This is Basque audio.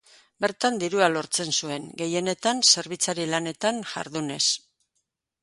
Bertan dirua lortzen zuen, gehienetan zerbitzari lanetan jardunez.